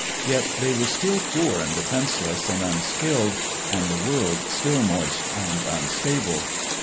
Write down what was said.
Yet they were still poor and defenceless and unskilled, and the world still moist and unstable.